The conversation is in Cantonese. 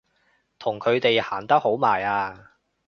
同佢哋行得好埋啊！